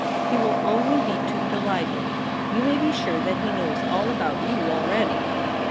* He will only be too delighted. You may be sure that he knows all about you already.'